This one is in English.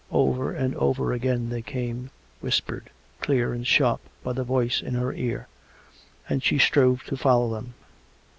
Over and over again they came, whispered clear and sharp by the voice in her ear; and she strove to follow them.